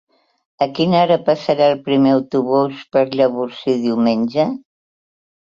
A quina hora passa el primer autobús per Llavorsí diumenge?